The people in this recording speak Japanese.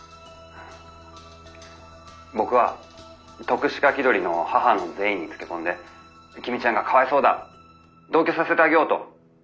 僕は篤志家気取りの母の善意につけ込んで公ちゃんがかわいそうだ同居させてあげようと説得しました」。